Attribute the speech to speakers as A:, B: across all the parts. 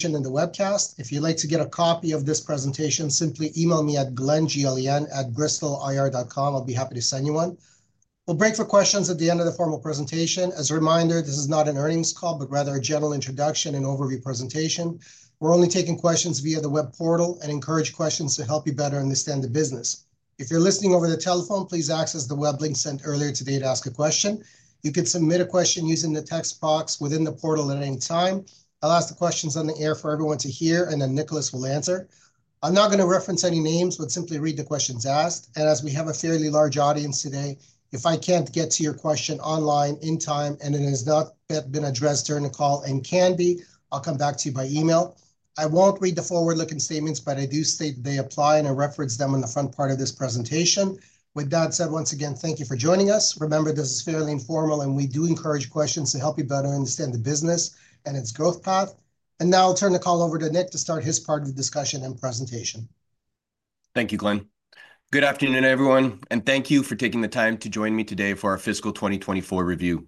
A: In the webcast. If you'd like to get a copy of this presentation, simply email me at glena@bristolir.com. I'll be happy to send you one. We'll break for questions at the end of the formal presentation. As a reminder, this is not an earnings call, but rather a general introduction and overview presentation. We're only taking questions via the web portal and encourage questions to help you better understand the business. If you're listening over the telephone, please access the web link sent earlier today to ask a question. You can submit a question using the text box within the portal at any time. I'll ask the questions on the air for everyone to hear, and then Nicholas will answer. I'm not going to reference any names, but simply read the questions asked. As we have a fairly large audience today, if I can't get to your question online in time and it has not been addressed during the call and can be, I'll come back to you by email. I won't read the forward-looking statements, but I do state they apply and I reference them in the front part of this presentation. With that said, once again, thank you for joining us. Remember, this is fairly informal, and we do encourage questions to help you better understand the business and its growth path. Now I'll turn the call over to Nick to start his part of the discussion and presentation.
B: Thank you, Glen. Good afternoon, everyone, and thank you for taking the time to join me today for our fiscal 2024 review.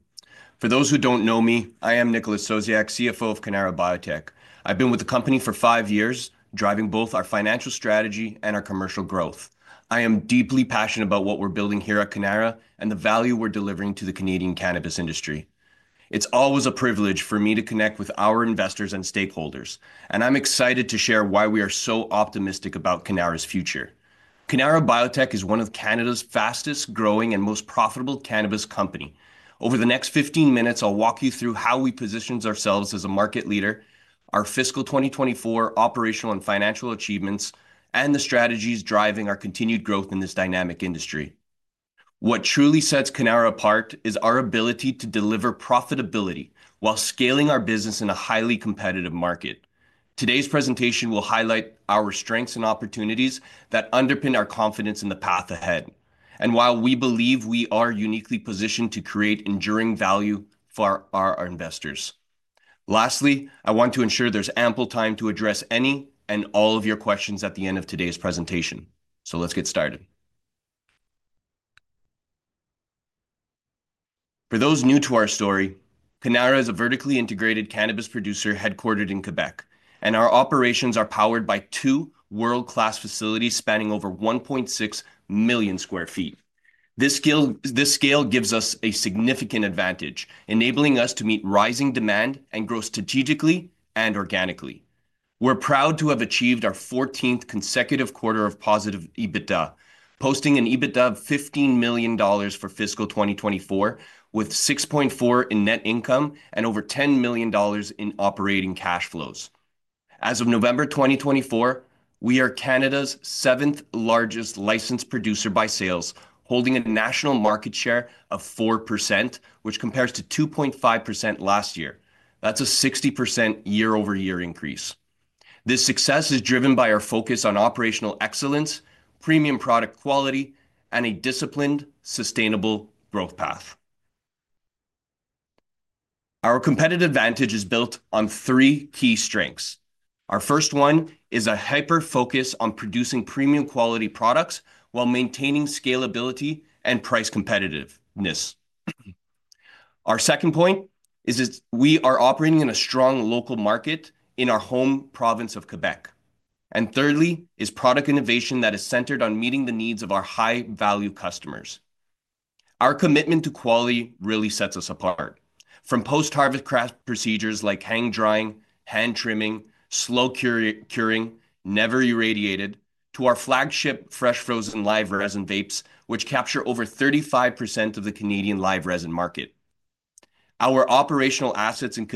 B: For those who don't know me, I am Nicholas Sosiak, CFO of Cannara Biotech. I've been with the company for five years, driving both our financial strategy and our commercial growth. I am deeply passionate about what we're building here at Cannara and the value we're delivering to the Canadian cannabis industry. It's always a privilege for me to connect with our investors and stakeholders, and I'm excited to share why we are so optimistic about Cannara's future. Cannara Biotech is one of Canada's fastest-growing and most profitable cannabis companies. Over the next 15 minutes, I'll walk you through how we position ourselves as a market leader, our fiscal 2024 operational and financial achievements, and the strategies driving our continued growth in this dynamic industry. What truly sets Cannara apart is our ability to deliver profitability while scaling our business in a highly competitive market. Today's presentation will highlight our strengths and opportunities that underpin our confidence in the path ahead, and why we believe we are uniquely positioned to create enduring value for our investors. Lastly, I want to ensure there's ample time to address any and all of your questions at the end of today's presentation. So let's get started. For those new to our story, Cannara is a vertically integrated cannabis producer headquartered in Quebec, and our operations are powered by two world-class facilities spanning over 1.6 million sq ft. This scale gives us a significant advantage, enabling us to meet rising demand and grow strategically and organically. We're proud to have achieved our 14th consecutive quarter of positive EBITDA, posting an EBITDA of 15 million dollars for fiscal 2024, with 6.4 million in net income and over 10 million dollars in operating cash flows. As of November 2024, we are Canada's seventh-largest licensed producer by sales, holding a national market share of 4%, which compares to 2.5% last year. That's a 60% year-over-year increase. This success is driven by our focus on operational excellence, premium product quality, and a disciplined, sustainable growth path. Our competitive advantage is built on three key strengths. Our first one is a hyper-focus on producing premium-quality products while maintaining scalability and price competitiveness. Our second point is that we are operating in a strong local market in our home province of Quebec, and thirdly is product innovation that is centered on meeting the needs of our high-value customers. Our commitment to quality really sets us apart. From post-harvest craft procedures like hang-drying, hand-trimming, slow curing, never irradiated, to our flagship fresh-frozen live resin vapes, which capture over 35% of the Canadian live resin market. Our operational assets in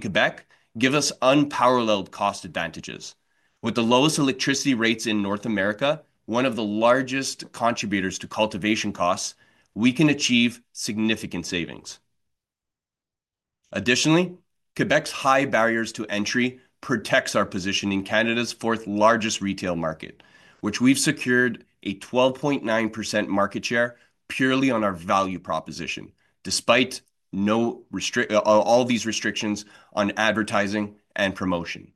B: Quebec give us unparalleled cost advantages. With the lowest electricity rates in North America, one of the largest contributors to cultivation costs, we can achieve significant savings. Additionally, Quebec's high barriers to entry protect our position in Canada's fourth-largest retail market, which we've secured a 12.9% market share purely on our value proposition, despite all these restrictions on advertising and promotion.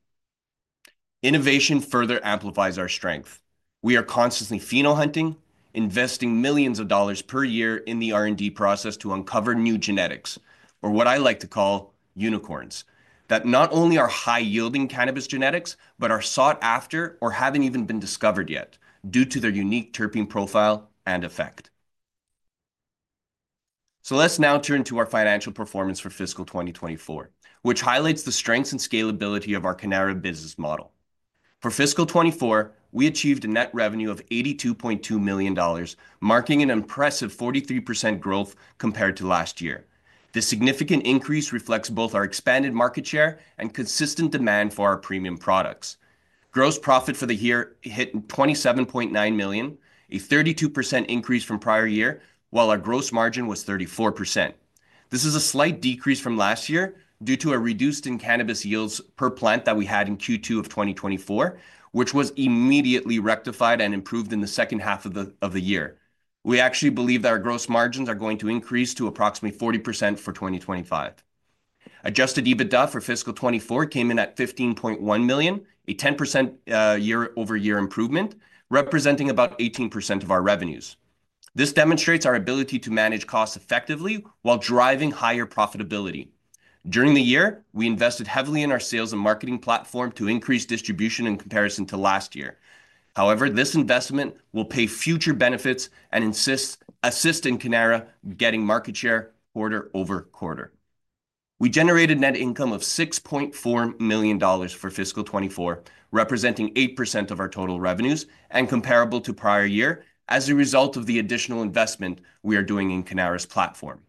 B: Innovation further amplifies our strength. We are constantly pheno-hunting, investing millions of CAD per year in the R&D process to uncover new genetics, or what I like to call unicorns, that not only are high-yielding cannabis genetics, but are sought after or haven't even been discovered yet due to their unique terpene profile and effect. So let's now turn to our financial performance for fiscal 2024, which highlights the strengths and scalability of our Cannara business model. For fiscal 2024, we achieved a net revenue of 82.2 million dollars, marking an impressive 43% growth compared to last year. This significant increase reflects both our expanded market share and consistent demand for our premium products. Gross profit for the year hit 27.9 million, a 32% increase from prior year, while our gross margin was 34%. This is a slight decrease from last year due to a reduced cannabis yields per plant that we had in Q2 of 2024, which was immediately rectified and improved in the second half of the year. We actually believe that our gross margins are going to increase to approximately 40% for 2025. Adjusted EBITDA for fiscal 2024 came in at 15.1 million, a 10% year-over-year improvement, representing about 18% of our revenues. This demonstrates our ability to manage costs effectively while driving higher profitability. During the year, we invested heavily in our sales and marketing platform to increase distribution in comparison to last year. However, this investment will pay future benefits and assist in Cannara getting market share quarter over quarter. We generated net income of 6.4 million dollars for fiscal 2024, representing 8% of our total revenues and comparable to prior year as a result of the additional investment we are doing in Cannara's platform.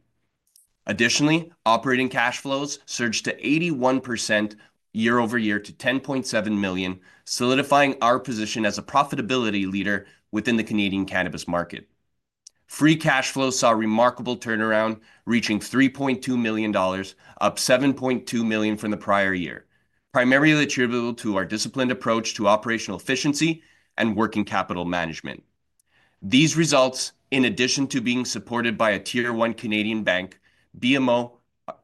B: Additionally, operating cash flows surged 81% year-over-year to 10.7 million, solidifying our position as a profitability leader within the Canadian cannabis market. Free cash flow saw remarkable turnaround, reaching 3.2 million dollars, up 7.2 million from the prior year, primarily attributable to our disciplined approach to operational efficiency and working capital management. These results, in addition to being supported by a tier-one Canadian bank, BMO,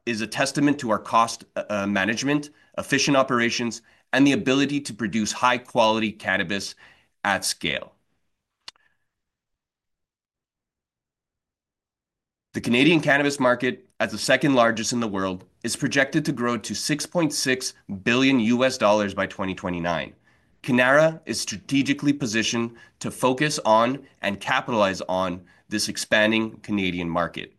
B: is a testament to our cost management, efficient operations, and the ability to produce high-quality cannabis at scale. The Canadian cannabis market, as the second largest in the world, is projected to grow to CAD 6.6 billion by 2029. Cannara is strategically positioned to focus on and capitalize on this expanding Canadian market.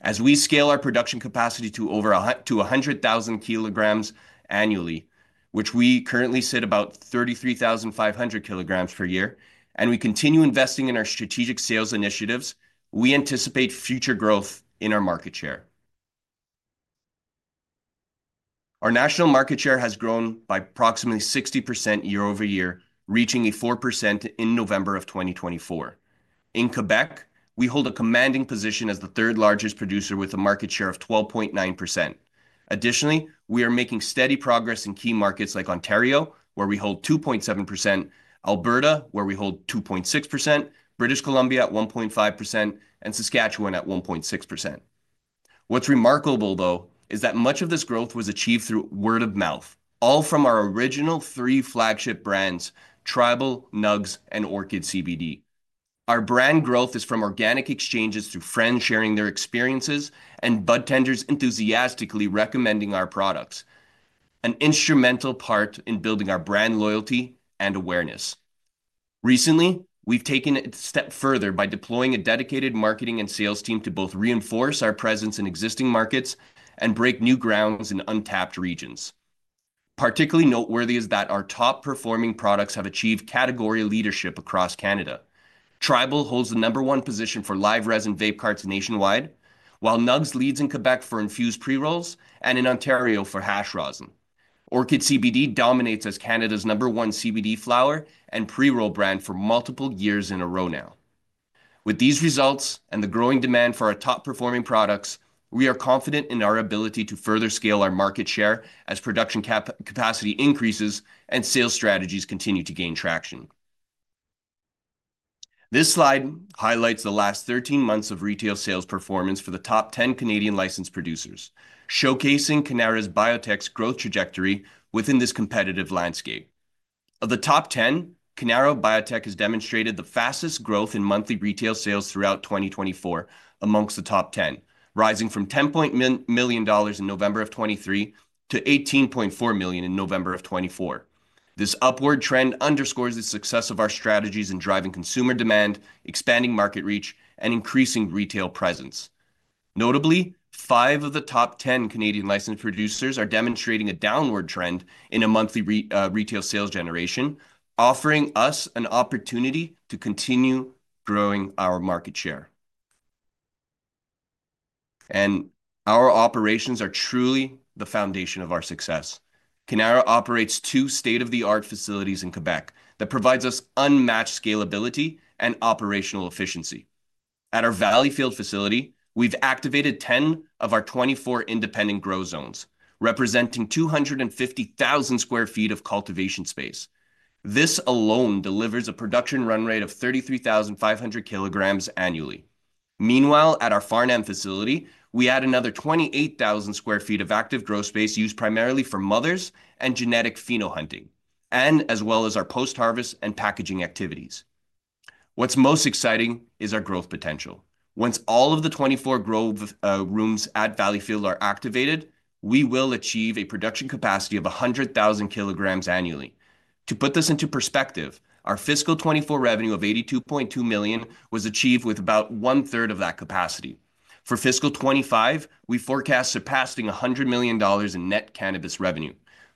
B: As we scale our production capacity to over 100,000 kilograms annually, which we currently sit about 33,500 kilograms per year, and we continue investing in our strategic sales initiatives, we anticipate future growth in our market share. Our national market share has grown by approximately 60% year-over-year, reaching a 4% in November of 2024. In Quebec, we hold a commanding position as the third-largest producer with a market share of 12.9%. Additionally, we are making steady progress in key markets like Ontario, where we hold 2.7%, Alberta, where we hold 2.6%, British Columbia at 1.5%, and Saskatchewan at 1.6%. What's remarkable, though, is that much of this growth was achieved through word of mouth, all from our original three flagship brands, Tribal, Nugz, and Orchid CBD. Our brand growth is from organic exchanges through friends sharing their experiences and budtenders enthusiastically recommending our products, an instrumental part in building our brand loyalty and awareness. Recently, we've taken it a step further by deploying a dedicated marketing and sales team to both reinforce our presence in existing markets and break new grounds in untapped regions. Particularly noteworthy is that our top-performing products have achieved category leadership across Canada. Tribal holds the number one position for live resin vape carts nationwide, while Nugz leads in Quebec for infused pre-rolls and in Ontario for hash rosin. Orchid CBD dominates as Canada's number one CBD flower and pre-roll brand for multiple years in a row now. With these results and the growing demand for our top-performing products, we are confident in our ability to further scale our market share as production capacity increases and sales strategies continue to gain traction. This slide highlights the last 13 months of retail sales performance for the top 10 Canadian licensed producers, showcasing Cannara Biotech's growth trajectory within this competitive landscape. Of the top 10, Cannara Biotech has demonstrated the fastest growth in monthly retail sales throughout 2024 among the top 10, rising from 10 million dollars in November of 2023 to 18.4 million in November of 2024. This upward trend underscores the success of our strategies in driving consumer demand, expanding market reach, and increasing retail presence. Notably, five of the top 10 Canadian licensed producers are demonstrating a downward trend in a monthly retail sales generation, offering us an opportunity to continue growing our market share. Our operations are truly the foundation of our success. Cannara operates two state-of-the-art facilities in Quebec that provide us unmatched scalability and operational efficiency. At our Valleyfield facility, we've activated 10 of our 24 independent grow zones, representing 250,000 sq ft of cultivation space. This alone delivers a production run rate of 33,500 kilograms annually. Meanwhile, at our Farnham facility, we add another 28,000 sq ft of active grow space used primarily for mothers and genetic pheno-hunting, as well as our post-harvest and packaging activities. What's most exciting is our growth potential. Once all of the 24 grow rooms at Valleyfield are activated, we will achieve a production capacity of 100,000 kilograms annually. To put this into perspective, our fiscal 2024 revenue of 82.2 million was achieved with about one-third of that capacity. For fiscal 2025, we forecast surpassing 100 million dollars in net cannabis revenue.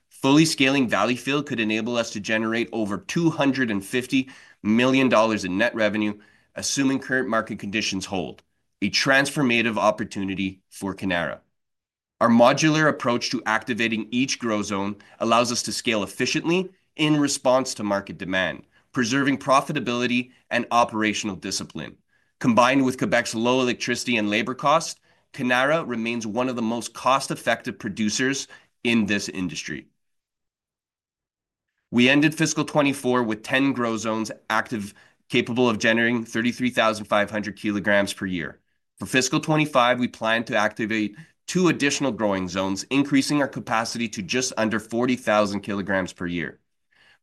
B: Fully scaling Valleyfield could enable us to generate over 250 million dollars in net revenue, assuming current market conditions hold. A transformative opportunity for Cannara. Our modular approach to activating each grow zone allows us to scale efficiently in response to market demand, preserving profitability and operational discipline. Combined with Quebec's low electricity and labor costs, Cannara remains one of the most cost-effective producers in this industry. We ended fiscal 2024 with 10 grow zones capable of generating 33,500 kg per year. For fiscal 2025, we plan to activate two additional growing zones, increasing our capacity to just under 40,000 kg per year.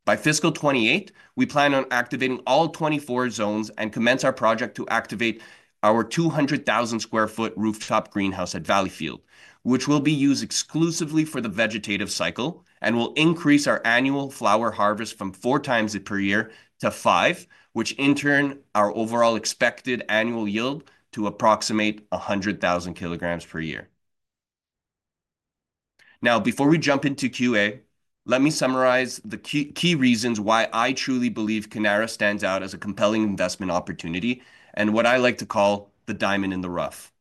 B: By fiscal 2028, we plan on activating all 24 zones and commence our project to activate our 200,000 sq ft rooftop greenhouse at Valleyfield, which will be used exclusively for the vegetative cycle and will increase our annual flower harvest from four times per year to five, which in turn our overall expected annual yield to approximate 100,000 kg per year. Now, before we jump into QA, let me summarize the key reasons why I truly believe Cannara stands out as a compelling investment opportunity and what I like to call the diamond in the rough.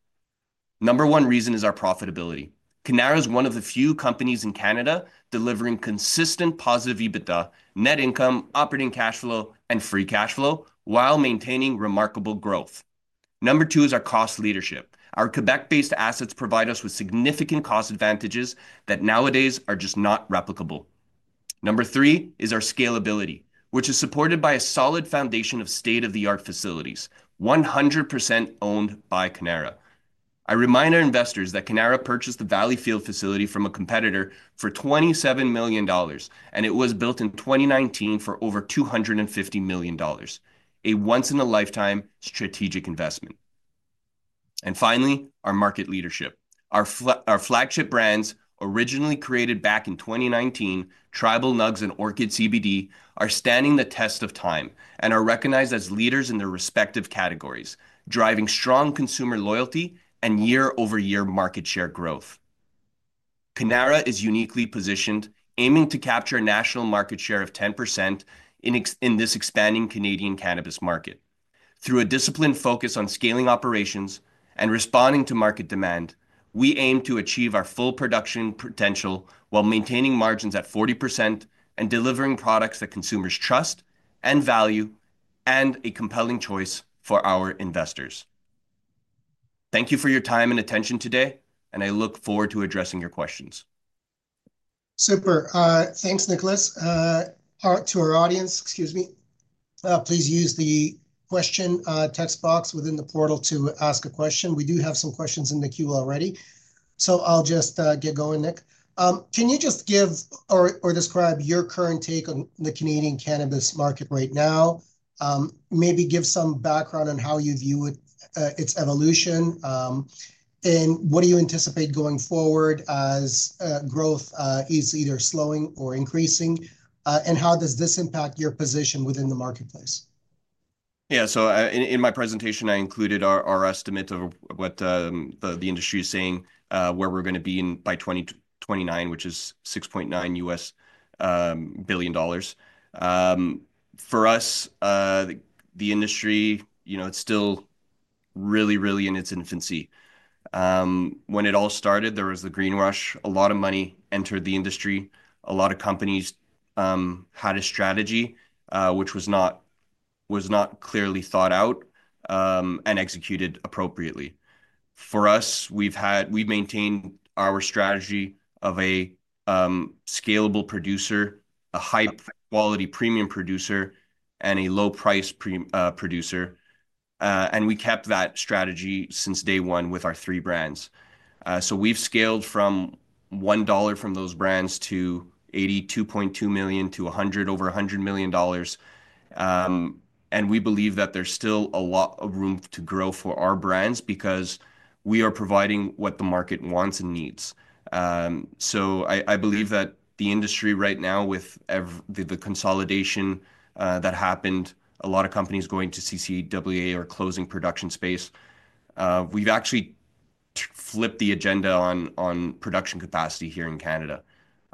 B: Number one reason is our profitability. Cannara is one of the few companies in Canada delivering consistent positive EBITDA, net income, operating cash flow, and free cash flow while maintaining remarkable growth. Number two is our cost leadership. Our Quebec-based assets provide us with significant cost advantages that nowadays are just not replicable. Number three is our scalability, which is supported by a solid foundation of state-of-the-art facilities, 100% owned by Cannara. I remind our investors that Cannara purchased the Valleyfield facility from a competitor for 27 million dollars, and it was built in 2019 for over 250 million dollars. A once-in-a-lifetime strategic investment, and finally, our market leadership. Our flagship brands, originally created back in 2019, Tribal, Nugz, and Orchid CBD, are standing the test of time and are recognized as leaders in their respective categories, driving strong consumer loyalty and year-over-year market share growth. Cannara is uniquely positioned, aiming to capture a national market share of 10% in this expanding Canadian cannabis market. Through a disciplined focus on scaling operations and responding to market demand, we aim to achieve our full production potential while maintaining margins at 40% and delivering products that consumers trust and value and a compelling choice for our investors. Thank you for your time and attention today, and I look forward to addressing your questions.
A: Super. Thanks, Nicholas. To our audience, excuse me, please use the question text box within the portal to ask a question. We do have some questions in the queue already. So I'll just get going, Nick. Can you just give or describe your current take on the Canadian cannabis market right now? Maybe give some background on how you view its evolution and what do you anticipate going forward as growth is either slowing or increasing? And how does this impact your position within the marketplace?
B: Yeah. So in my presentation, I included our estimate of what the industry is saying where we're going to be in by 2029, which is 6.9 billion dollars. For us, the industry, it's still really, really in its infancy. When it all started, there was the greenwash. A lot of money entered the industry. A lot of companies had a strategy which was not clearly thought out and executed appropriately. For us, we've maintained our strategy of a scalable producer, a high-quality premium producer, and a low-price producer. And we kept that strategy since day one with our three brands. So we've scaled from 1 dollar from those brands to 82.2 million to over 100 million dollars. And we believe that there's still a lot of room to grow for our brands because we are providing what the market wants and needs. So I believe that the industry right now, with the consolidation that happened, a lot of companies going to CCAA or closing production space, we've actually flipped the agenda on production capacity here in Canada.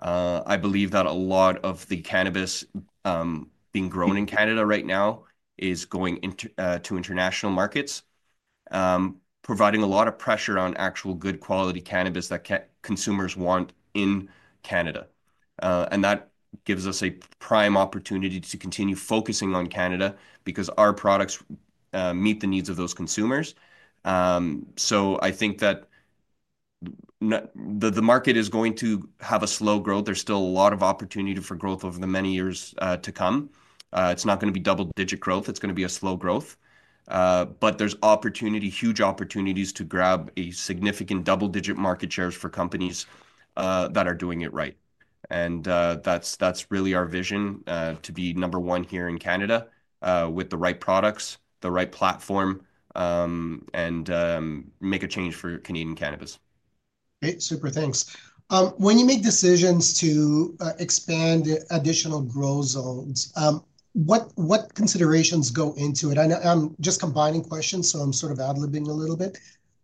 B: I believe that a lot of the cannabis being grown in Canada right now is going to international markets, providing a lot of pressure on actual good quality cannabis that consumers want in Canada. And that gives us a prime opportunity to continue focusing on Canada because our products meet the needs of those consumers. So I think that the market is going to have a slow growth. There's still a lot of opportunity for growth over the many years to come. It's not going to be double-digit growth. It's going to be a slow growth. But there's huge opportunities to grab significant double-digit market shares for companies that are doing it right. And that's really our vision to be number one here in Canada with the right products, the right platform, and make a change for Canadian cannabis.
A: Great. Super. Thanks. When you make decisions to expand additional grow zones, what considerations go into it? I'm just combining questions, so I'm sort of ad libbing a little bit.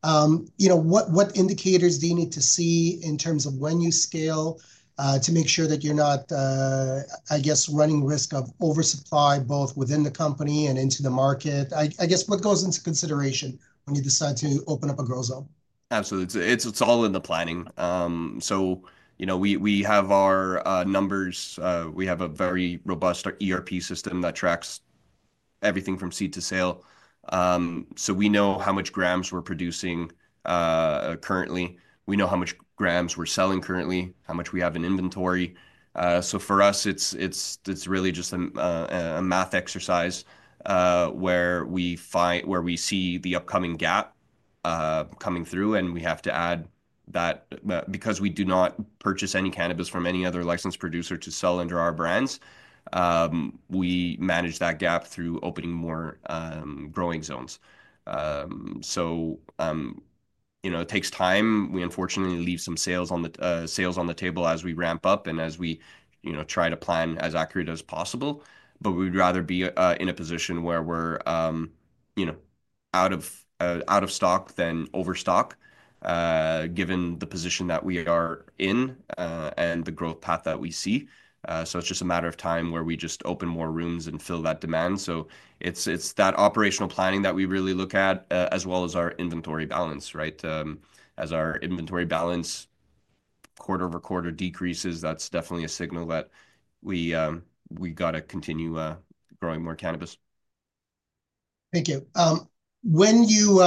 A: What indicators do you need to see in terms of when you scale to make sure that you're not, I guess, running risk of oversupply both within the company and into the market? I guess what goes into consideration when you decide to open up a grow zone?
B: Absolutely. It's all in the planning. We have our numbers. We have a very robust ERP system that tracks everything from seed to sale. We know how much grams we're producing currently. We know how much grams we're selling currently, how much we have in inventory. For us, it's really just a math exercise where we see the upcoming gap coming through, and we have to add that because we do not purchase any cannabis from any other licensed producer to sell under our brands. We manage that gap through opening more growing zones. It takes time. We, unfortunately, leave some sales on the table as we ramp up and as we try to plan as accurate as possible. We'd rather be in a position where we're out of stock than overstock, given the position that we are in and the growth path that we see. It's just a matter of time where we just open more rooms and fill that demand. So it's that operational planning that we really look at as well as our inventory balance, right? As our inventory balance quarter over quarter decreases, that's definitely a signal that we got to continue growing more cannabis. Thank you. When you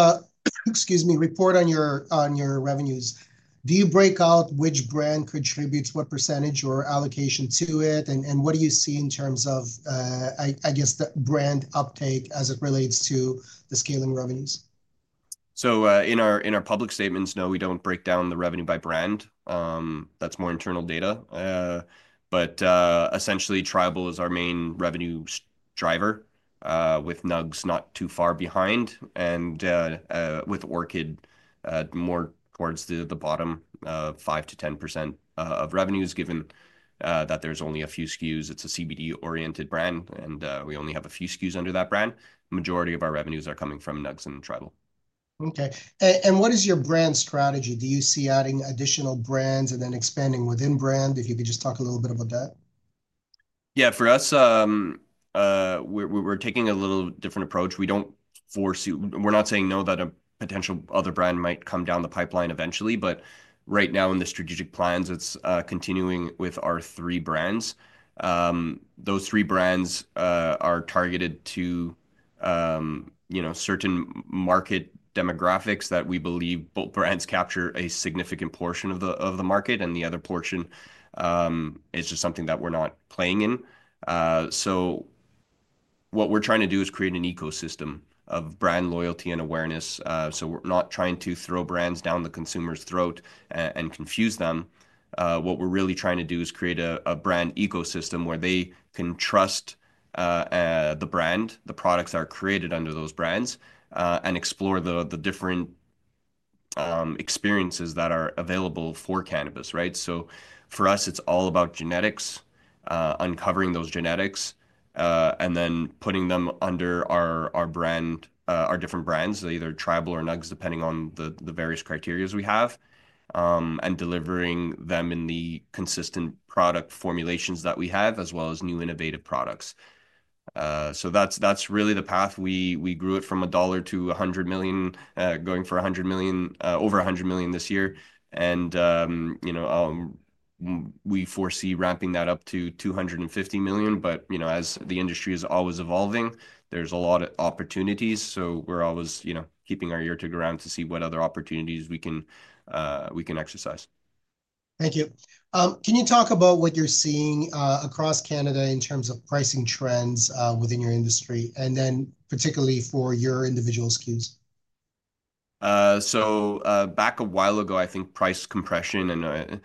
B: report on your revenues, do you break out which brand contributes what percentage or allocation to it? And what do you see in terms of, I guess, the brand uptake as it relates to the scaling revenues? So in our public statements, no, we don't break down the revenue by brand. That's more internal data. But essentially, Tribal is our main revenue driver, with Nugz not too far behind, and with Orchid more towards the bottom, 5%-10% of revenues, given that there's only a few SKUs. It's a CBD-oriented brand, and we only have a few SKUs under that brand. The majority of our revenues are coming from Nugz and Tribal. Okay. And what is your brand strategy? Do you see adding additional brands and then expanding within brand? If you could just talk a little bit about that. Yeah. For us, we're taking a little different approach. We're not saying no that a potential other brand might come down the pipeline eventually. But right now, in the strategic plans, it's continuing with our three brands. Those three brands are targeted to certain market demographics that we believe both brands capture a significant portion of the market, and the other portion is just something that we're not playing in. So what we're trying to do is create an ecosystem of brand loyalty and awareness. We're not trying to throw brands down the consumer's throat and confuse them. What we're really trying to do is create a brand ecosystem where they can trust the brand, the products that are created under those brands, and explore the different experiences that are available for cannabis, right? For us, it's all about genetics, uncovering those genetics, and then putting them under our different brands, either Tribal or Nugz, depending on the various criteria we have, and delivering them in the consistent product formulations that we have, as well as new innovative products. That's really the path. We grew it from CAD 1 to 100 million dollar, going for over 100 million this year. We foresee ramping that up to 250 million. As the industry is always evolving, there's a lot of opportunities. So we're always keeping our ear to ground to see what other opportunities we can exercise.
A: Thank you. Can you talk about what you're seeing across Canada in terms of pricing trends within your industry, and then particularly for your individual SKUs?
B: So back a while ago, I think price compression (is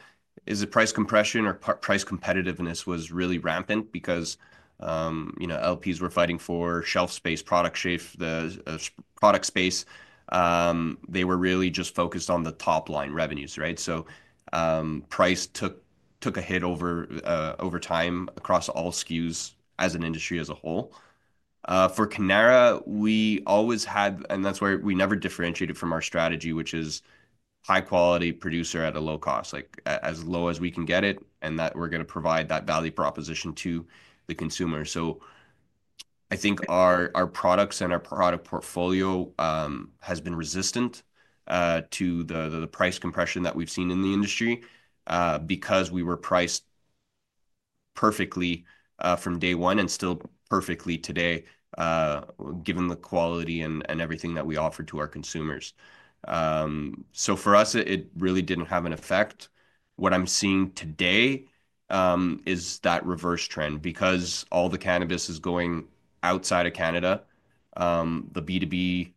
B: it price compression or price competitiveness) was really rampant because LPs were fighting for shelf space, product space. They were really just focused on the top-line revenues, right? So price took a hit over time across all SKUs as an industry as a whole. For Cannara, we always had, and that's where we never differentiated from our strategy, which is high-quality producer at a low cost, as low as we can get it, and that we're going to provide that value proposition to the consumer. I think our products and our product portfolio have been resistant to the price compression that we've seen in the industry because we were priced perfectly from day one and still perfectly today, given the quality and everything that we offer to our consumers. For us, it really didn't have an effect. What I'm seeing today is that reverse trend because all the cannabis is going outside of Canada. The B2B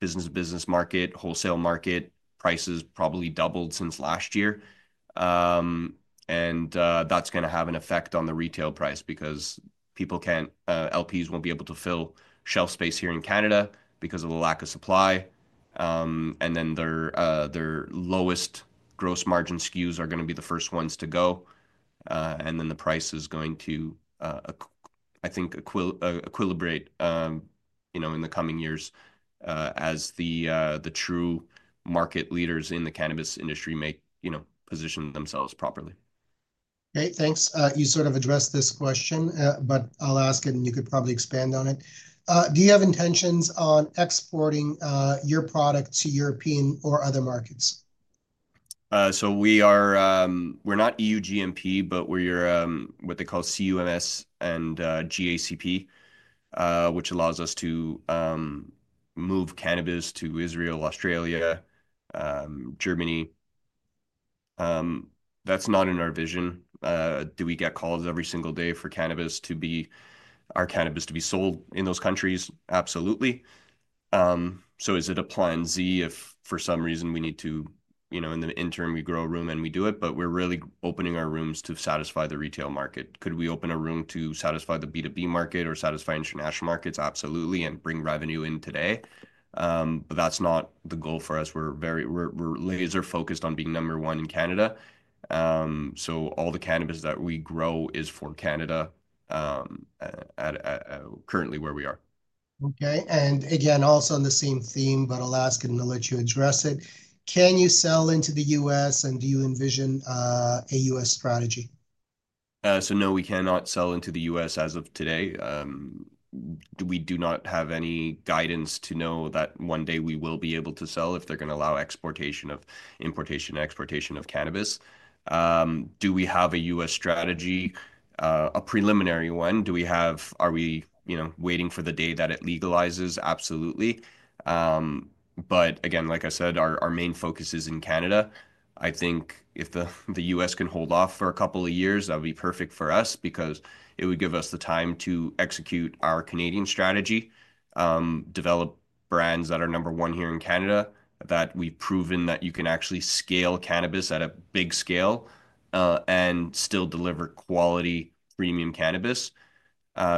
B: business-to-business market, wholesale market prices probably doubled since last year. That's going to have an effect on the retail price because LPs won't be able to fill shelf space here in Canada because of the lack of supply. Then their lowest gross margin SKUs are going to be the first ones to go. And then the price is going to, I think, equilibrate in the coming years as the true market leaders in the cannabis industry position themselves properly.
A: Great. Thanks. You sort of addressed this question, but I'll ask it, and you could probably expand on it. Do you have intentions on exporting your product to European or other markets?
B: So we're not EU GMP, but we're what they call CUMCS and GACP, which allows us to move cannabis to Israel, Australia, Germany. That's not in our vision. Do we get calls every single day for our cannabis to be sold in those countries? Absolutely. So is it a plan Z if for some reason we need to, in the interim, we grow a room and we do it, but we're really opening our rooms to satisfy the retail market? Could we open a room to satisfy the B2B market or satisfy international markets? Absolutely, and bring revenue in today. But that's not the goal for us. We're laser-focused on being number one in Canada. So all the cannabis that we grow is for Canada currently where we are. Okay. And again, also on the same theme, but I'll ask and I'll let you address it. Can you sell into the U.S., and do you envision a U.S. strategy? So no, we cannot sell into the U.S. as of today. We do not have any guidance to know that one day we will be able to sell if they're going to allow importation and exportation of cannabis. Do we have a U.S. strategy, a preliminary one? Are we waiting for the day that it legalizes? Absolutely. But again, like I said, our main focus is in Canada. I think if the U.S. can hold off for a couple of years, that would be perfect for us because it would give us the time to execute our Canadian strategy, develop brands that are number one here in Canada, that we've proven that you can actually scale cannabis at a big scale and still deliver quality, premium cannabis.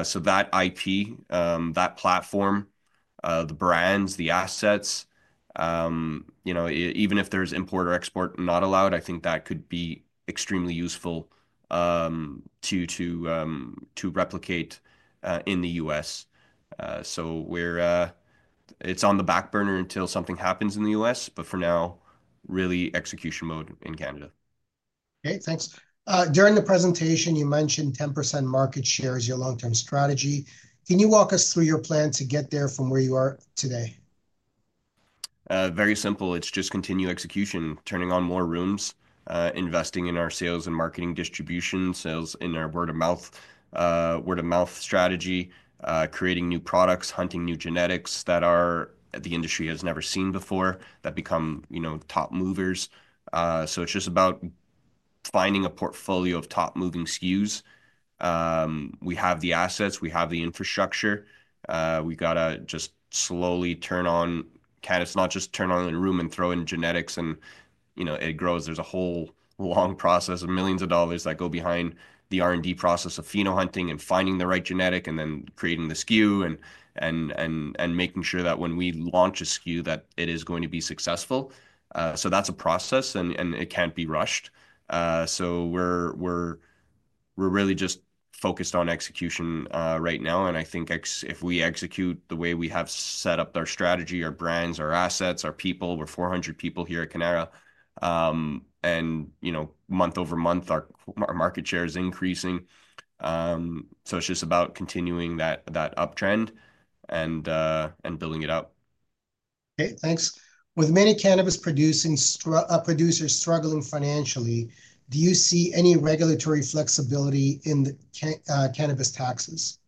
B: So that IP, that platform, the brands, the assets, even if there's import or export not allowed, I think that could be extremely useful to replicate in the U.S.. So it's on the back burner until something happens in the U.S., but for now, really execution mode in Canada.
A: Okay. Thanks. During the presentation, you mentioned 10% market share as your long-term strategy. Can you walk us through your plan to get there from where you are today?
B: Very simple. It's just continue execution, turning on more rooms, investing in our sales and marketing distribution, sales in our word-of-mouth strategy, creating new products, hunting new genetics that the industry has never seen before that become top movers. So it's just about finding a portfolio of top-moving SKUs. We have the assets. We have the infrastructure. We've got to just slowly turn on. It's not just turn on a room and throw in genetics, and it grows. There's a whole long process of millions of dollars that go behind the R&D process of pheno-hunting and finding the right genetic and then creating the SKU and making sure that when we launch a SKU, that it is going to be successful. So that's a process, and it can't be rushed. So we're really just focused on execution right now. I think if we execute the way we have set up our strategy, our brands, our assets, our people—we're 400 people here at Cannara—and month over month, our market share is increasing. So it's just about continuing that uptrend and building it up.
A: Okay. Thanks. With many cannabis producers struggling financially, do you see any regulatory flexibility in the cannabis taxes?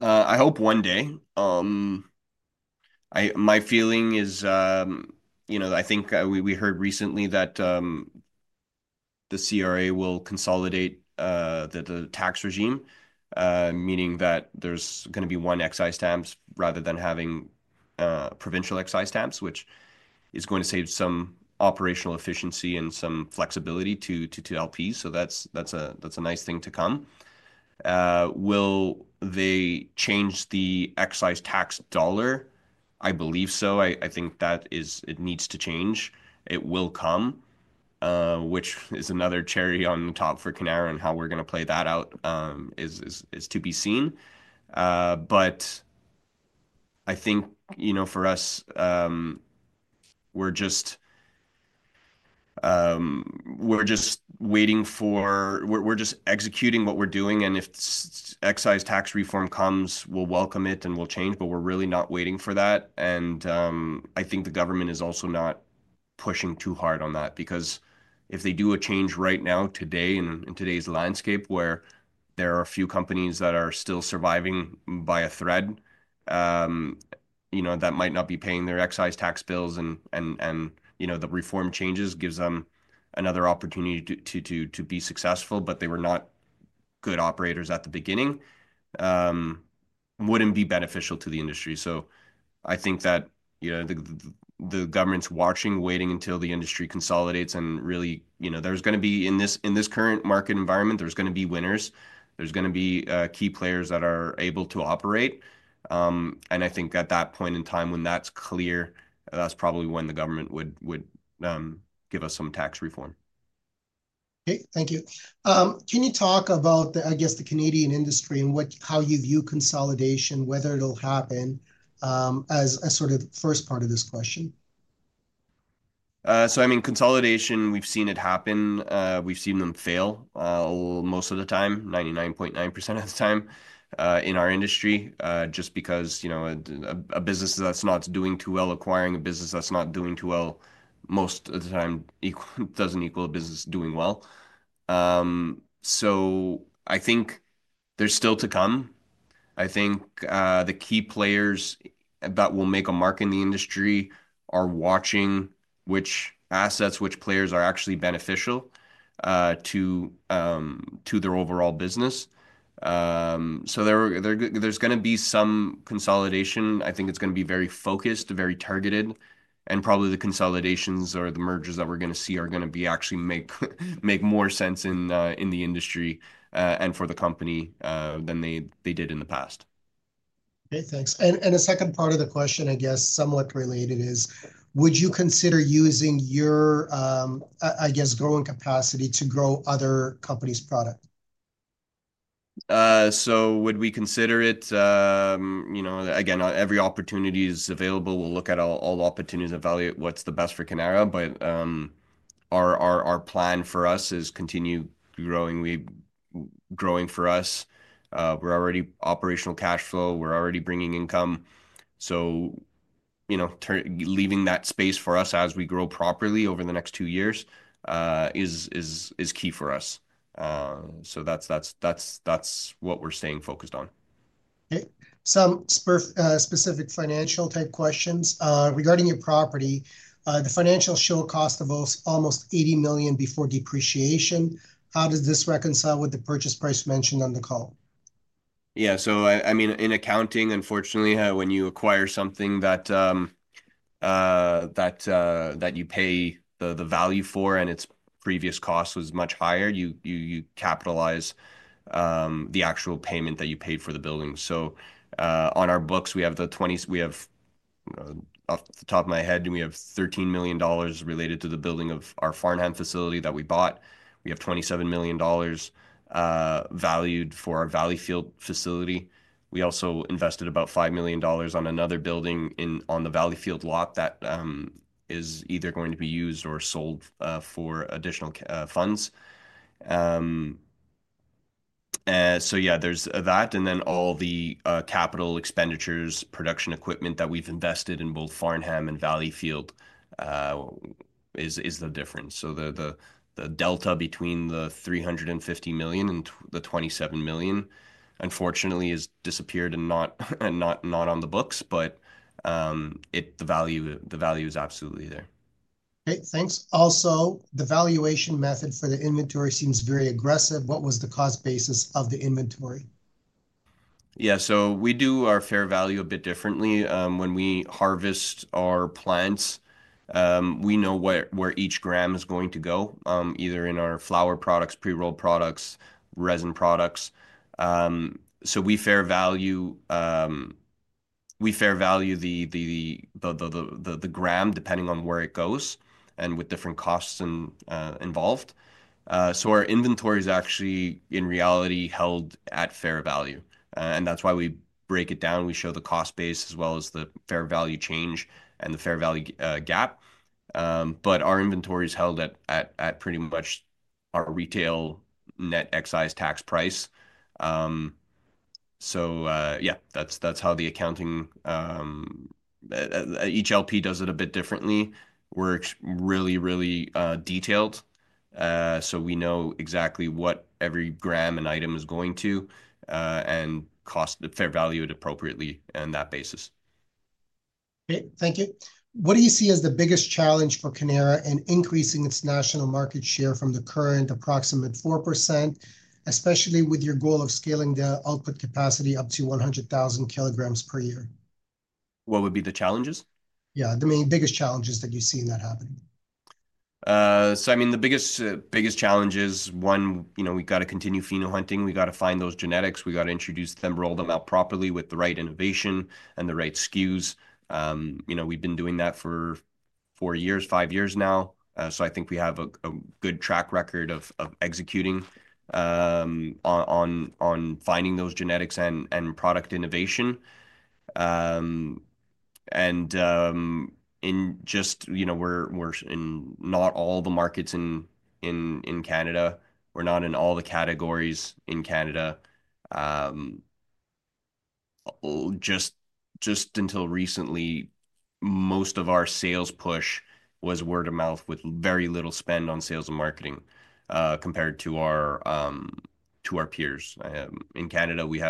B: I hope one day. My feeling is I think we heard recently that the CRA will consolidate the tax regime, meaning that there's going to be one excise stamps rather than having provincial excise stamps, which is going to save some operational efficiency and some flexibility to LPs. So that's a nice thing to come. Will they change the excise tax dollar? I believe so. I think that it needs to change. It will come, which is another cherry on the top for Cannara, and how we're going to play that out is to be seen, but I think for us, we're just waiting for, we're just executing what we're doing, and if excise tax reform comes, we'll welcome it and we'll change, but we're really not waiting for that, and I think the government is also not pushing too hard on that because if they do a change right now, today, in today's landscape, where there are a few companies that are still surviving by a thread, that might not be paying their excise tax bills, and the reform changes gives them another opportunity to be successful, but they were not good operators at the beginning, wouldn't be beneficial to the industry, so I think that the government's watching, waiting until the industry consolidates. And really, there's going to be in this current market environment. There's going to be winners. There's going to be key players that are able to operate. And I think at that point in time, when that's clear, that's probably when the government would give us some tax reform.
A: Okay. Thank you. Can you talk about, I guess, the Canadian industry and how you view consolidation, whether it'll happen, as a sort of first part of this question?
B: So I mean, consolidation, we've seen it happen. We've seen them fail most of the time, 99.9% of the time in our industry, just because a business that's not doing too well acquiring a business that's not doing too well, most of the time, doesn't equal a business doing well. So I think there's still to come. I think the key players that will make a mark in the industry are watching which assets, which players are actually beneficial to their overall business. So there's going to be some consolidation. I think it's going to be very focused, very targeted, and probably the consolidations or the mergers that we're going to see are going to actually make more sense in the industry and for the company than they did in the past.
A: Okay. Thanks, and the second part of the question, I guess, somewhat related is, would you consider using your, I guess, growing capacity to grow other companies' product?
B: So would we consider it? Again, every opportunity is available. We'll look at all opportunities, evaluate what's the best for Cannara. But our plan for us is continuing growing for us. We're already operational cash flow. We're already bringing income. So leaving that space for us as we grow properly over the next two years is key for us. So that's what we're staying focused on.
A: Okay. Some specific financial-type questions. Regarding your property, the financials show cost of almost 80 million before depreciation. How does this reconcile with the purchase price mentioned on the call?
B: Yeah. So I mean, in accounting, unfortunately, when you acquire something that you pay the value for and its previous cost was much higher, you capitalize the actual payment that you paid for the building. So on our books, off the top of my head, we have 13 million dollars related to the building of our Farnham facility that we bought. We have 27 million dollars valued for our Valleyfield facility. We also invested about 5 million dollars on another building on the Valleyfield lot that is either going to be used or sold for additional funds. So yeah, there's that. And then all the capital expenditures, production equipment that we've invested in both Farnham and Valleyfield is the difference. So the delta between the 350 million and the 27 million, unfortunately, has disappeared and not on the books, but the value is absolutely there.
A: Okay. Thanks. Also, the valuation method for the inventory seems very aggressive. What was the cost basis of the inventory?
B: Yeah. So we do our fair value a bit differently. When we harvest our plants, we know where each gram is going to go, either in our flower products, pre-roll products, resin products. So we fair value the gram depending on where it goes and with different costs involved. Our inventory is actually, in reality, held at fair value. And that's why we break it down. We show the cost base as well as the fair value change and the fair value gap. But our inventory is held at pretty much our retail net excise tax price. Yeah, that's how the accounting, each LP does it a bit differently. We're really, really detailed. So we know exactly what every gram and item is going to and cost the fair value appropriately on that basis.
A: Okay. Thank you. What do you see as the biggest challenge for Cannara in increasing its national market share from the current approximate 4%, especially with your goal of scaling the output capacity up to 100,000 kg per year?
B: What would be the challenges?
A: Yeah. The biggest challenges that you see in that happening.
B: So, I mean, the biggest challenge is, one, we've got to continue pheno-hunting. We've got to find those genetics. We've got to introduce them, roll them out properly with the right innovation and the right SKUs. We've been doing that for four years, five years now. So, I think we have a good track record of executing on finding those genetics and product innovation. And just we're in not all the markets in Canada. We're not in all the categories in Canada. Just until recently, most of our sales push was word of mouth with very little spend on sales and marketing compared to our peers. In Canada, we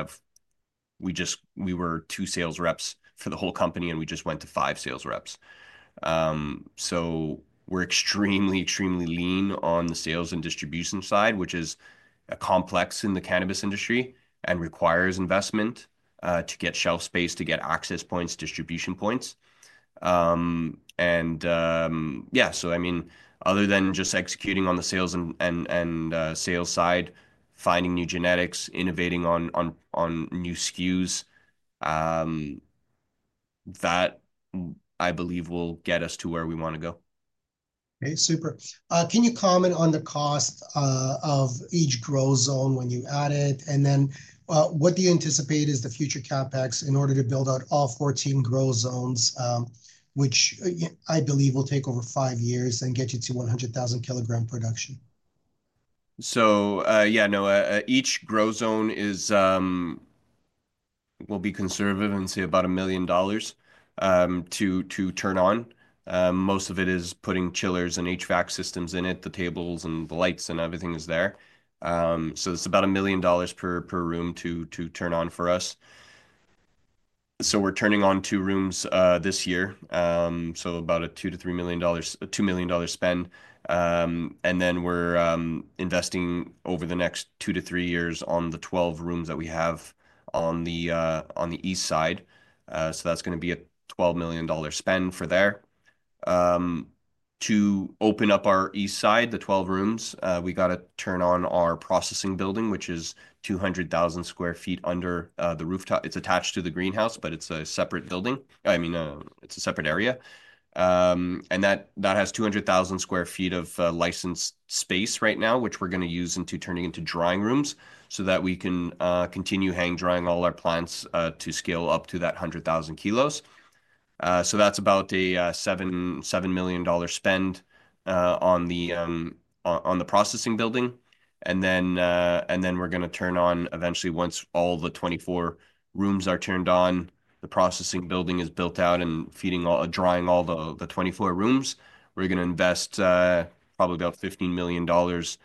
B: were two sales reps for the whole company, and we just went to five sales reps. We're extremely, extremely lean on the sales and distribution side, which is complex in the cannabis industry and requires investment to get shelf space, to get access points, distribution points. Yeah, so I mean, other than just executing on the sales and sales side, finding new genetics, innovating on new SKUs, that I believe will get us to where we want to go.
A: Okay. Super. Can you comment on the cost of each grow zone when you add it? And then what do you anticipate is the future CapEx in order to build out all 14 grow zones, which I believe will take over five years and get you to 100,000 kg production?
B: Yeah, no, each grow zone will be conservative and say about 1,000,000 dollars to turn on. Most of it is putting chillers and HVAC systems in it, the tables and the lights and everything is there. It's about 1 million dollars per room to turn on for us. We're turning on two rooms this year. It's about a 2-3 million dollars, 2 million dollar spend. We're investing over the next 2-3 years on the 12 rooms that we have on the east side. That's going to be a 12 million dollar spend for there. To open up our east side, the 12 rooms, we got to turn on our processing building, which is 200,000 sq ft under the rooftop. It's attached to the greenhouse, but it's a separate building. I mean, it's a separate area. And that has 200,000 sq ft of licensed space right now, which we're going to use in turning into drying rooms so that we can continue hang-drying all our plants to scale up to that 100,000 kilos. So that's about a 7 million dollar spend on the processing building. And then we're going to turn on eventually once all the 24 rooms are turned on, the processing building is built out and drying all the 24 rooms. We're going to invest probably about 15 million dollars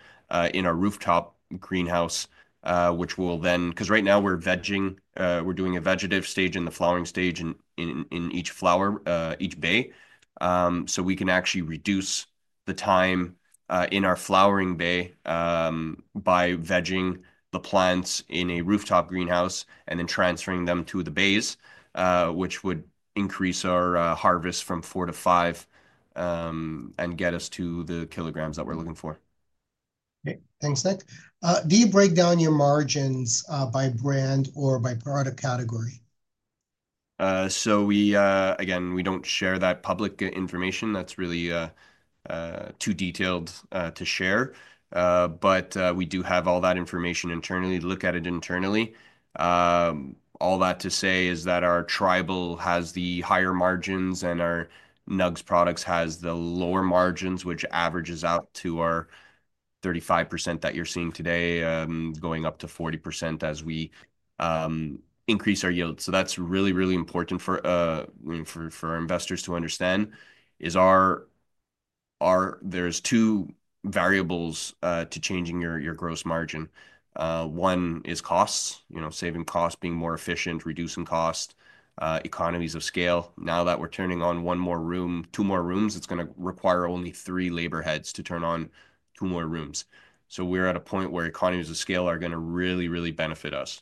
B: in our rooftop greenhouse, which will then, because right now we're doing a vegetative stage and the flowering stage in each bay. So we can actually reduce the time in our flowering bay by vegging the plants in a rooftop greenhouse and then transferring them to the bays, which would increase our harvest from four to five and get us to the kilograms that we're looking for.
A: Okay. Thanks, Nick. Do you break down your margins by brand or by product category?
B: So again, we don't share that public information. That's really too detailed to share. But we do have all that information internally, look at it internally. All that to say is that our Tribal has the higher margins and our Nugz products has the lower margins, which averages out to our 35% that you're seeing today, going up to 40% as we increase our yield. So that's really, really important for our investors to understand is there's two variables to changing your gross margin. One is costs, saving costs, being more efficient, reducing cost, economies of scale. Now that we're turning on one more room, two more rooms, it's going to require only three labor heads to turn on two more rooms. We're at a point where economies of scale are going to really, really benefit us.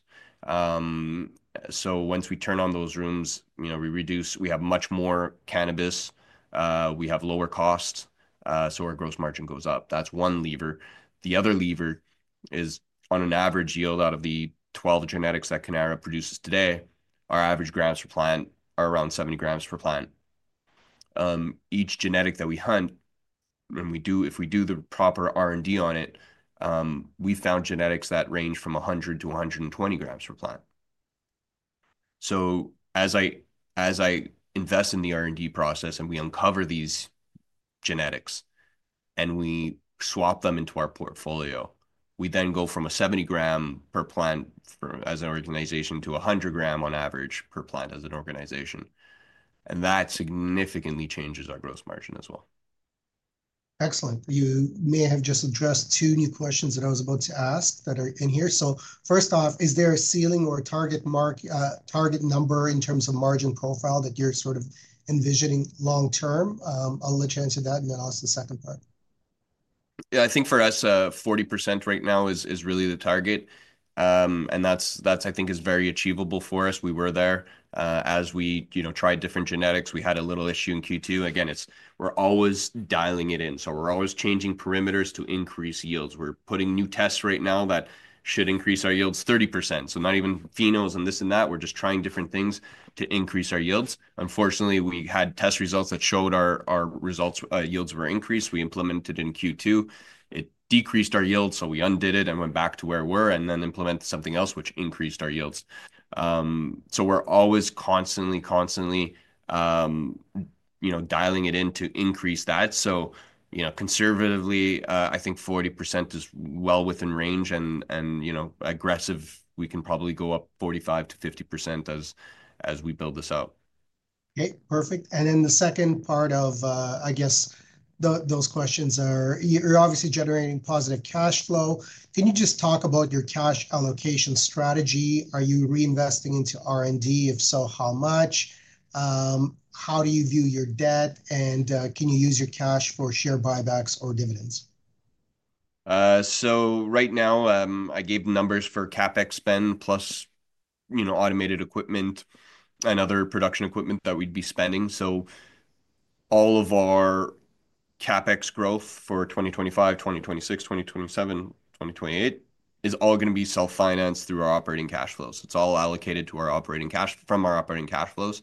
B: Once we turn on those rooms, we have much more cannabis. We have lower costs. Our gross margin goes up. That's one lever. The other lever is on an average yield out of the 12 genetics that Cannara produces today, our average grams per plant are around 70 g per plant. Each genetic that we hunt, if we do the proper R&D on it, we found genetics that range from 100g-120 g per plant. As I invest in the R&D process and we uncover these genetics and we swap them into our portfolio, we then go from a 70 g per plant as an organization to 100 g on average per plant as an organization. That significantly changes our gross margin as well.
A: Excellent. You may have just addressed two new questions that I was about to ask that are in here. So first off, is there a ceiling or a target number in terms of margin profile that you're sort of envisioning long term? I'll let you answer that and then ask the second part.
B: Yeah. I think for us, 40% right now is really the target. And that's, I think, is very achievable for us. We were there as we tried different genetics. We had a little issue in Q2. Again, we're always dialing it in. So we're always changing parameters to increase yields. We're putting new tests right now that should increase our yields 30%. So not even phenos and this and that. We're just trying different things to increase our yields. Unfortunately, we had test results that showed our yields were increased. We implemented it in Q2. It decreased our yields. So we undid it and went back to where we were and then implemented something else, which increased our yields. So we're always constantly, constantly dialing it in to increase that. So conservatively, I think 40% is well within range and aggressive. We can probably go up 45%-50% as we build this out.
A: Okay. Perfect. And then the second part of, I guess, those questions are you're obviously generating positive cash flow. Can you just talk about your cash allocation strategy? Are you reinvesting into R&D? If so, how much? How do you view your debt? And can you use your cash for share buybacks or dividends?
B: So right now, I gave numbers for CapEx spend plus automated equipment and other production equipment that we'd be spending. So all of our CapEx growth for 2025, 2026, 2027, 2028 is all going to be self-financed through our operating cash flows. It's all allocated to our operating cash from our operating cash flows.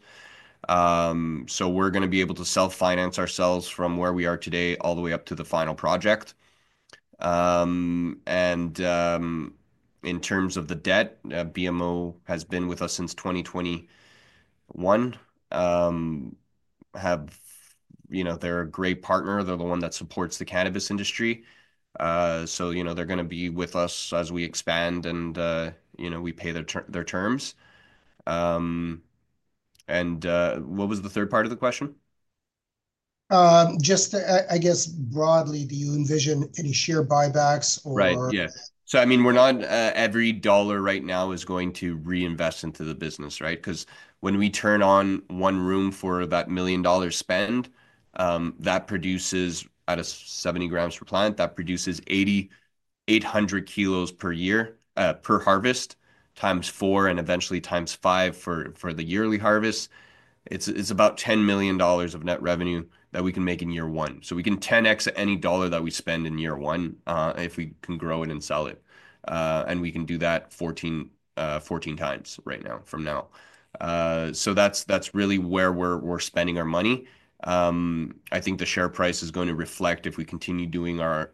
B: So we're going to be able to self-finance ourselves from where we are today all the way up to the final project. And in terms of the debt, BMO has been with us since 2021. They're a great partner. They're the one that supports the cannabis industry. So they're going to be with us as we expand and we pay their terms. And what was the third part of the question?
A: Just, I guess, broadly, do you envision any share buybacks or? Right.
B: Yeah. So I mean, we're not every dollar right now is going to reinvest into the business, right? Because when we turn on one room for that CAD $1 million-dollar spend, that produces at a 70 g per plant, that produces 800 kilos per year per harvest times four and eventually times five for the yearly harvest. It's about CAD $10 million of net revenue that we can make in year one. So we can 10x any dollar that we spend in year one if we can grow it and sell it. And we can do that 14x right now from now. So that's really where we're spending our money. I think the share price is going to reflect if we continue doing our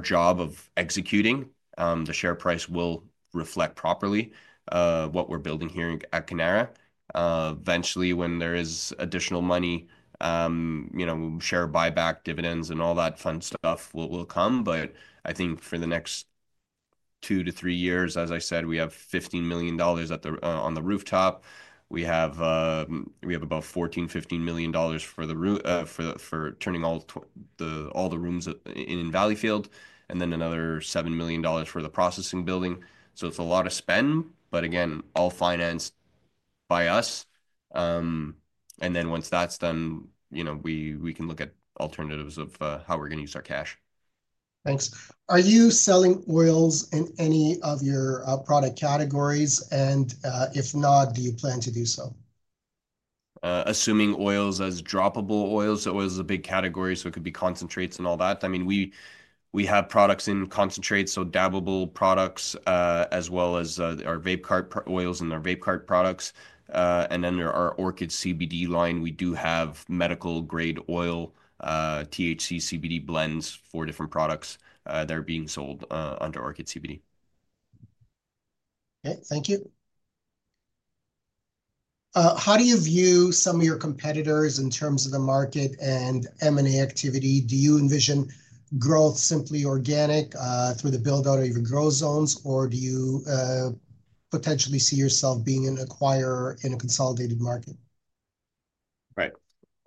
B: job of executing. The share price will reflect properly what we're building here at Cannara. Eventually, when there is additional money, share buyback, dividends, and all that fun stuff will come. I think for the next two to three years, as I said, we have 15 million dollars on the rooftop. We have about 14 million-15 million dollars for turning all the rooms in Valleyfield and then another 7 million dollars for the processing building. So it's a lot of spend, but again, all financed by us. And then once that's done, we can look at alternatives of how we're going to use our cash.
A: Thanks. Are you selling oils in any of your product categories? And if not, do you plan to do so?
B: Assuming oils as droppable oils, oils is a big category. So it could be concentrates and all that. I mean, we have products in concentrates, so dabbable products as well as our vape cart oils and our vape cart products. And then our Orchid CBD line, we do have medical-grade oil, THC CBD blends, four different products that are being sold under Orchid CBD. Okay. Thank you. How do you view some of your competitors in terms of the market and M&A activity? Do you envision growth simply organic through the build-out of your grow zones, or do you potentially see yourself being an acquirer in a consolidated market?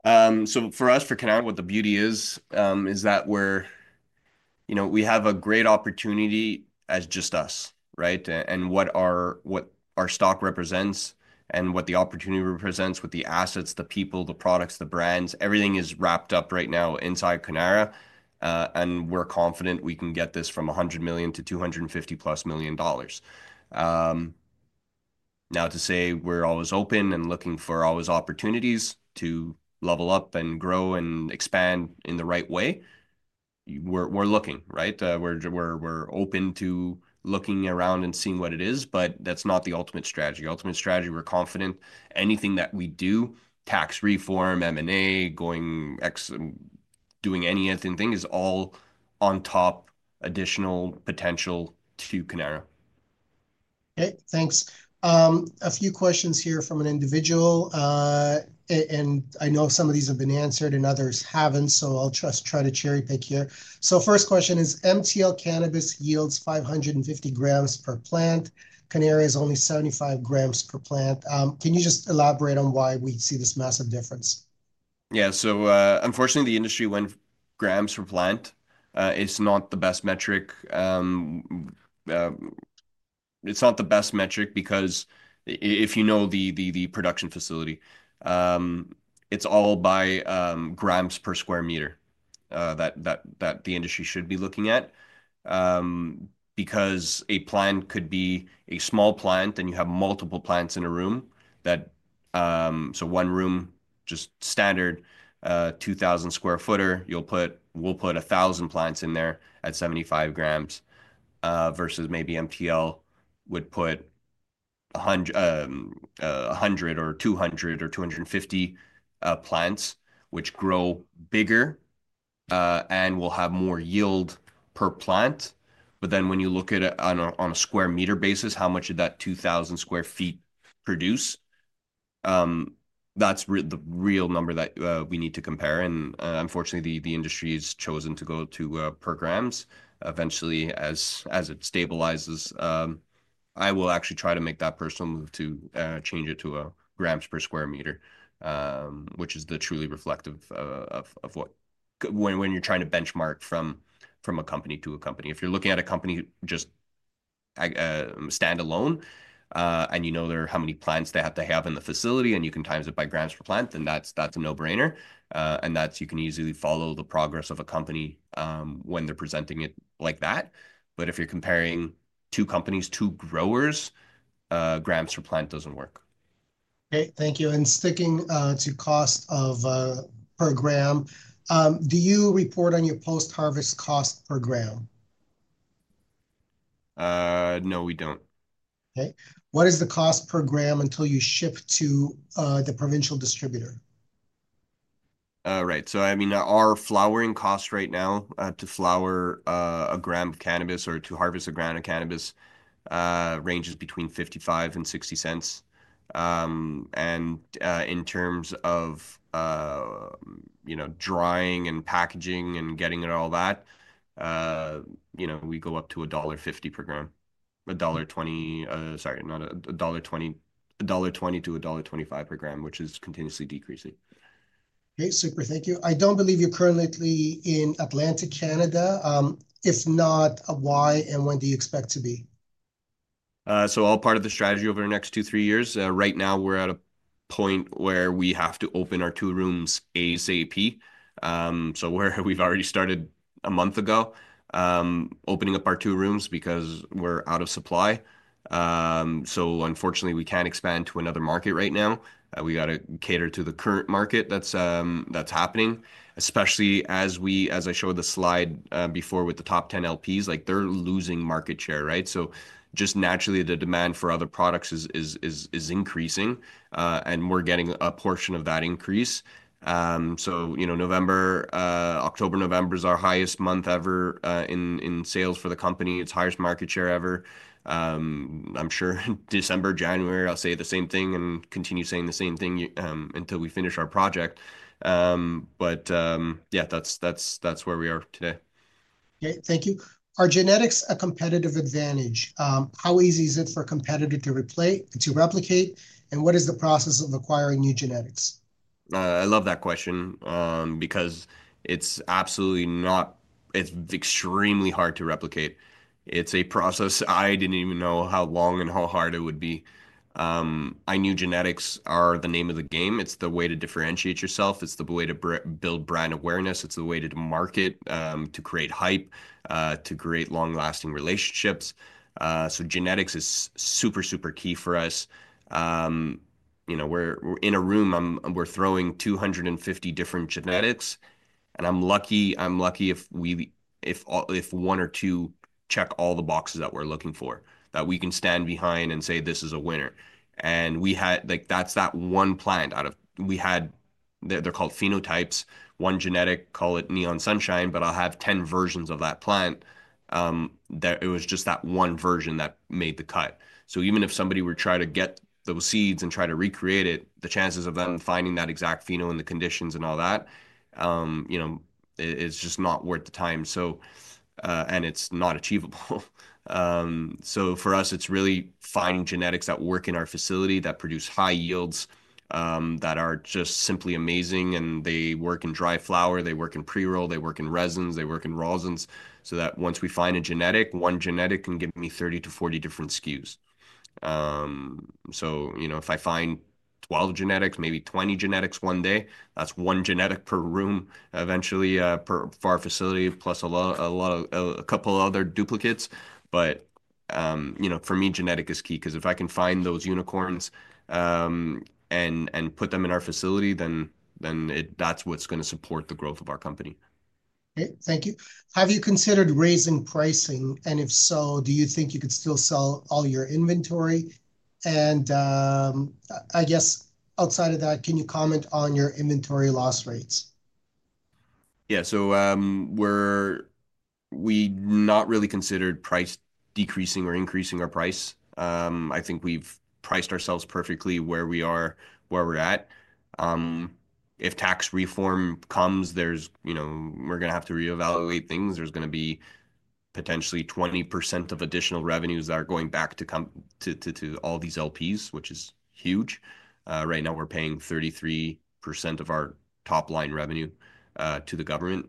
B: Right. So for us, for Cannara, what the beauty is, is that we have a great opportunity as just us, right? And what our stock represents and what the opportunity represents with the assets, the people, the products, the brands, everything is wrapped up right now inside Cannara. And we're confident we can get this from 100 million to 250+ million dollars. Now, to say we're always open and looking for always opportunities to level up and grow and expand in the right way, we're looking, right? We're open to looking around and seeing what it is, but that's not the ultimate strategy. Ultimate strategy, we're confident anything that we do, tax reform, M&A, doing any editing thing is all on top additional potential to Cannara.
A: Okay. Thanks. A few questions here from an individual. And I know some of these have been answered and others haven't, so I'll just try to cherry-pick here. So first question is, MTL Cannabis yields 550 g per plant. Cannara is only 75 g per plant. Can you just elaborate on why we see this massive difference?
B: Yeah. So unfortunately, the industry went grams per plant. It's not the best metric. It's not the best metric because if you know the production facility, it's all by grams per sq m that the industry should be looking at. Because a plant could be a small plant and you have multiple plants in a room. So one room, just standard, 2,000 sq ft, we'll put 1,000 plants in there at 75 g versus maybe MTL would put 100 or 200 or 250 plants, which grow bigger and will have more yield per plant. But then when you look at it on a sq m basis, how much did that 2,000 sq ft produce? That's the real number that we need to compare. And unfortunately, the industry has chosen to go to per grams eventually as it stabilizes. I will actually try to make that personal move to change it to grams per square meter, which is truly reflective of when you're trying to benchmark from a company to a company. If you're looking at a company just standalone and you know how many plants they have to have in the facility and you can times it by grams per plant, then that's a no-brainer. And you can easily follow the progress of a company when they're presenting it like that. But if you're comparing two companies, two growers, grams per plant doesn't work.
A: Okay. Thank you. And sticking to cost per gram, do you report on your post-harvest cost per gram?
B: No, we don't. Okay.
A: What is the cost per gram until you ship to the provincial distributor?
B: Right. So I mean, our flowering cost right now to flower a gram of cannabis or to harvest a gram of cannabis ranges between $0.55 and $0.60. And in terms of drying and packaging and getting it all that, we go up to $1.50 per gram. $1.20, sorry, not $1.20, $1.20 to $1.25 per gram, which is continuously decreasing.
A: Okay. Super. Thank you. I don't believe you're currently in Atlantic Canada. If not, why and when do you expect to be?
B: So all part of the strategy over the next two, three years. Right now, we're at a point where we have to open our two rooms ASAP. So we've already started a month ago opening up our two rooms because we're out of supply. So unfortunately, we can't expand to another market right now. We got to cater to the current market that's happening, especially as I showed the slide before with the top 10 LPs, they're losing market share, right? So just naturally, the demand for other products is increasing, and we're getting a portion of that increase. So October, November is our highest month ever in sales for the company. It's highest market share ever. I'm sure December, January, I'll say the same thing and continue saying the same thing until we finish our project. But yeah, that's where we are today.
A: Okay. Thank you. Are genetics a competitive advantage? How easy is it for a competitor to replicate? And what is the process of acquiring new genetics?
B: I love that question because it's absolutely not, it's extremely hard to replicate. It's a process I didn't even know how long and how hard it would be. I knew genetics are the name of the game. It's the way to differentiate yourself. It's the way to build brand awareness. It's the way to market, to create hype, to create long-lasting relationships. Genetics is super, super key for us. We're in a room, we're throwing 250 different genetics, and I'm lucky if one or two check all the boxes that we're looking for, that we can stand behind and say, "This is a winner," and that's that one plant out of we had; they're called phenotypes. One genetic, call it Neon Sunshine, but I'll have 10 versions of that plant. It was just that one version that made the cut. Even if somebody were to try to get those seeds and try to recreate it, the chances of them finding that exact pheno and the conditions and all that, it's just not worth the time. It's not achievable. For us, it's really finding genetics that work in our facility that produce high yields that are just simply amazing. They work in dry flower. They work in pre-roll. They work in resins. They work in rosins. Once we find a genetic, one genetic can give me 30-40 different SKUs. If I find 12 genetics, maybe 20 genetics one day, that's one genetic per room eventually for our facility plus a couple of other duplicates. For me, genetic is key because if I can find those unicorns and put them in our facility, then that's what's going to support the growth of our company.
A: Okay. Thank you. Have you considered raising pricing? If so, do you think you could still sell all your inventory? I guess outside of that, can you comment on your inventory loss rates?
B: Yeah. So we're not really considering price decreasing or increasing our price. I think we've priced ourselves perfectly where we are at. If tax reform comes, we're going to have to reevaluate things. There's going to be potentially 20% of additional revenues that are going back to all these LPs, which is huge. Right now, we're paying 33% of our top-line revenue to the government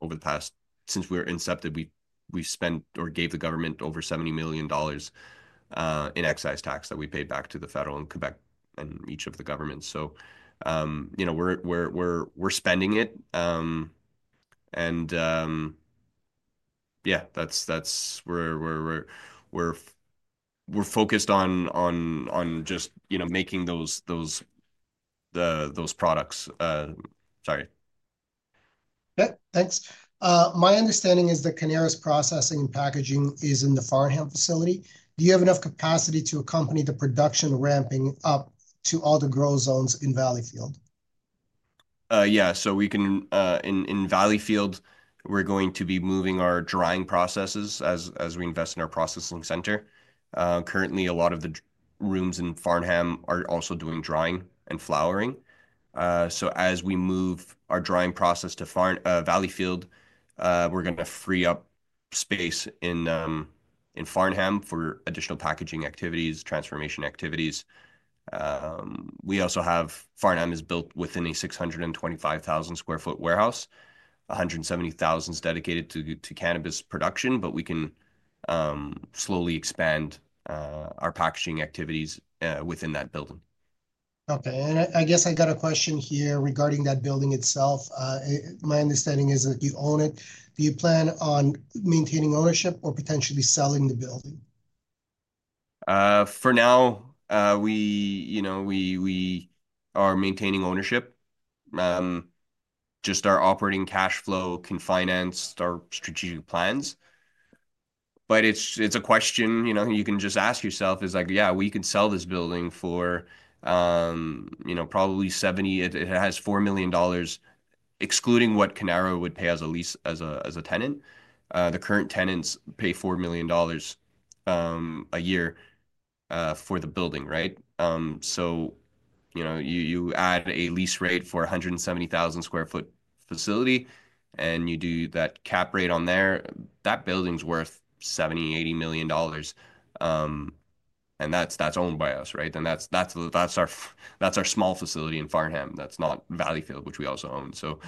B: over the past since inception. We spent or gave the government over 70 million dollars in excise tax that we paid back to the federal and Quebec and each of the governments. So we're spending it. And yeah, we're focused on just making those products. Sorry.
A: Okay. Thanks. My understanding is that Cannara's processing and packaging is in the Farnham facility. Do you have enough capacity to accompany the production ramping up to all the grow zones in Valleyfield?
B: Yeah. So in Valleyfield, we're going to be moving our drying processes as we invest in our processing center. Currently, a lot of the rooms in Farnham are also doing drying and flowering. So as we move our drying process to Valleyfield, we're going to free up space in Farnham for additional packaging activities, transformation activities. We also have Farnham is built within a 625,000 sq ft warehouse. 170,000 is dedicated to cannabis production, but we can slowly expand our packaging activities within that building.
A: Okay. And I guess I got a question here regarding that building itself. My understanding is that you own it. Do you plan on maintaining ownership or potentially selling the building?
B: For now, we are maintaining ownership. Just our operating cash flow can finance our strategic plans. But it's a question you can just ask yourself is like, "Yeah, we can sell this building for probably 70." It has 4 million dollars, excluding what Cannara would pay as a lease as a tenant. The current tenants pay 4 million dollars a year for the building, right? So you add a lease rate for 170,000-sq-ft facility, and you do that cap rate on there. That building's worth 70 million-80 million dollars. And that's owned by us, right? And that's our small facility in Farnham. That's not Valleyfield, which we also own. So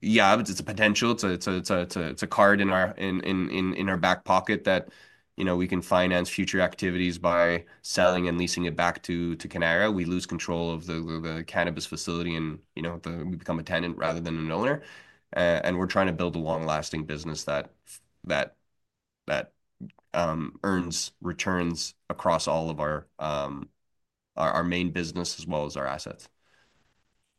B: yeah, it's a potential. It's a card in our back pocket that we can finance future activities by selling and leasing it back to Cannara. We lose control of the cannabis facility and we become a tenant rather than an owner. We're trying to build a long-lasting business that earns returns across all of our main business as well as our assets.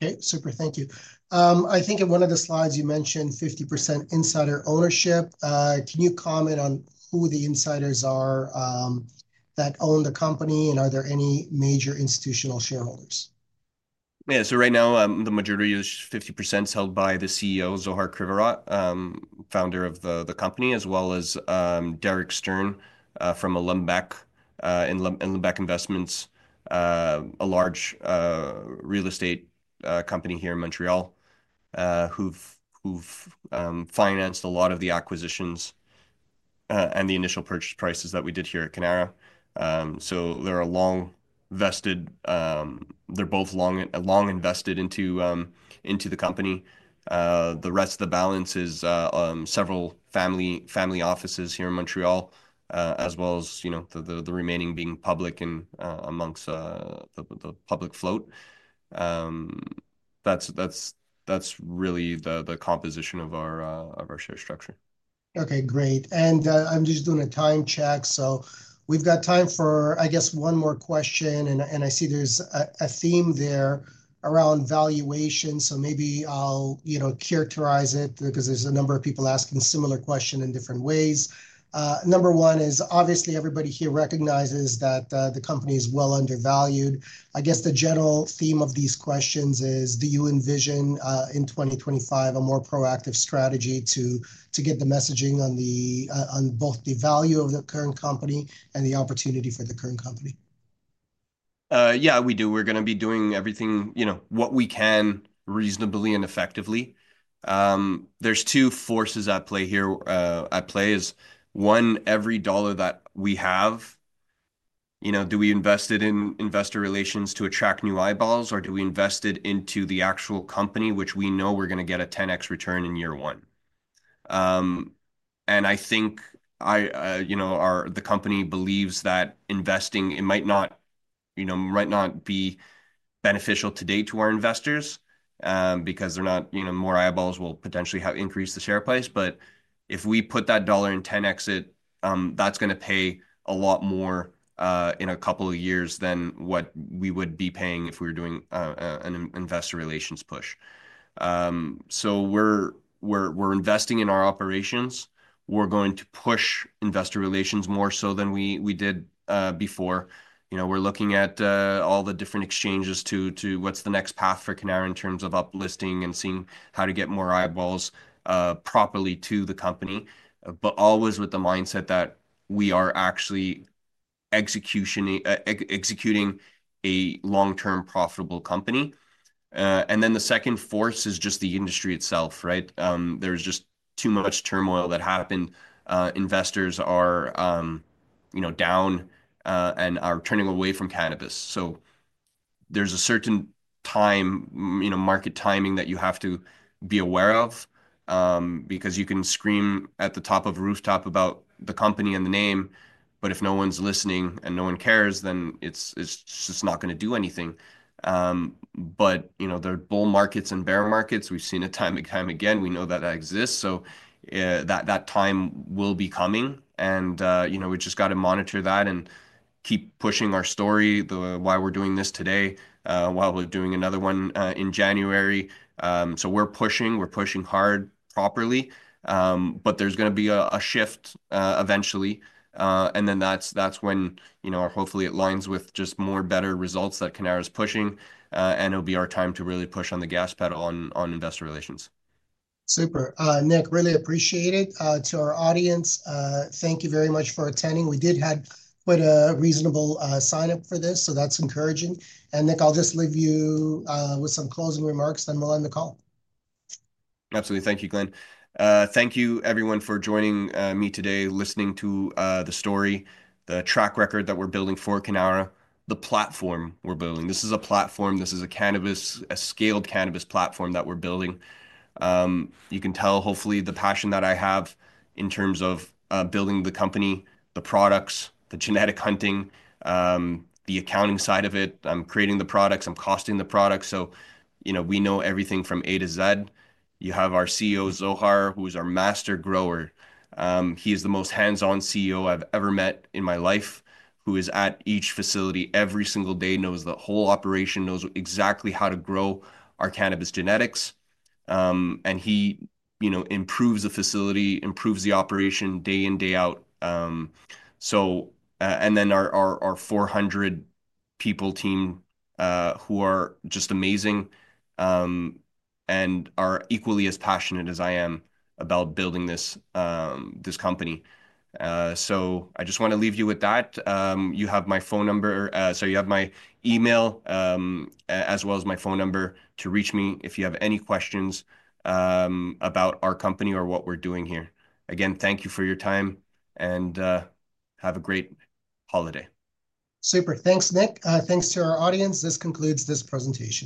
A: Okay. Super. Thank you. I think in one of the slides, you mentioned 50% insider ownership. Can you comment on who the insiders are that own the company, and are there any major institutional shareholders?
B: Yeah. So right now, the majority is 50% held by the CEO, Zohar Krivorot, founder of the company, as well as Derek Stern from Olymbec, a large real estate company here in Montreal who've financed a lot of the acquisitions and the initial purchase prices that we did here at Cannara. So they're both long invested into the company. The rest of the balance is several family offices here in Montreal, as well as the remaining being public and amongst the public float. That's really the composition of our share structure.
A: Okay. Great. And I'm just doing a time check. So we've got time for, I guess, one more question. And I see there's a theme there around valuation. So maybe I'll characterize it because there's a number of people asking similar questions in different ways. Number one is, obviously, everybody here recognizes that the company is well undervalued. I guess the general theme of these questions is, do you envision in 2025 a more proactive strategy to get the messaging on both the value of the current company and the opportunity for the current company?
B: Yeah, we do. We're going to be doing everything what we can reasonably and effectively. There's two forces at play here. At play is one, every dollar that we have: do we invest it in investor relations to attract new eyeballs, or do we invest it into the actual company, which we know we're going to get a 10x return in year one? I think the company believes that investing it might not be beneficial today to our investors because they're not more eyeballs will potentially have increased the share price. If we put that dollar in 10x, that's going to pay a lot more in a couple of years than what we would be paying if we were doing an investor relations push. We're investing in our operations. We're going to push investor relations more so than we did before. We're looking at all the different exchanges to what's the next path for Cannara in terms of uplisting and seeing how to get more eyeballs properly to the company, but always with the mindset that we are actually executing a long-term profitable company, and then the second force is just the industry itself, right? There's just too much turmoil that happened. Investors are down and are turning away from cannabis. So there's a certain market timing that you have to be aware of because you can scream at the top of a rooftop about the company and the name, but if no one's listening and no one cares, then it's just not going to do anything. There are bull markets and bear markets. We've seen it time and time again. We know that that exists. So that time will be coming. And we've just got to monitor that and keep pushing our story, why we're doing this today, while we're doing another one in January. So we're pushing. We're pushing hard properly. But there's going to be a shift eventually. And then that's when hopefully it lines with just more better results that Cannara is pushing. And it'll be our time to really push on the gas pedal on investor relations.
A: Super. Nick, really appreciate it. To our audience, thank you very much for attending. We did have quite a reasonable sign-up for this. So that's encouraging. And Nick, I'll just leave you with some closing remarks, then we'll end the call.
B: Absolutely. Thank you, Glen. Thank you, everyone, for joining me today, listening to the story, the track record that we're building for Cannara, the platform we're building. This is a platform. This is a scaled cannabis platform that we're building. You can tell, hopefully, the passion that I have in terms of building the company, the products, the genetic hunting, the accounting side of it. I'm creating the products. I'm costing the products. So we know everything from A to Z. You have our CEO, Zohar, who is our master grower. He is the most hands-on CEO I've ever met in my life, who is at each facility every single day, knows the whole operation, knows exactly how to grow our cannabis genetics, and he improves the facility, improves the operation day in, day out. Then our 400-person team who are just amazing and are equally as passionate as I am about building this company. So I just want to leave you with that. You have my phone number. So you have my email as well as my phone number to reach me if you have any questions about our company or what we're doing here. Again, thank you for your time. And have a great holiday.
A: Super. Thanks, Nick. Thanks to our audience. This concludes this presentation.